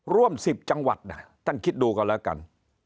ร่วม๑๐จังหวัดท่านคิดดูกันแล้วกัน